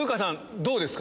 どうですか？